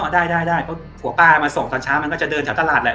ได้ได้เพราะผัวป้ามาส่งตอนเช้ามันก็จะเดินแถวตลาดแหละ